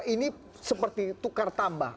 ini seperti tukar tambah